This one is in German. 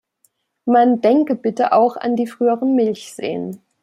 Man denke bitte auch an die früheren Milchseen!